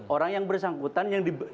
orang yang bersangkutan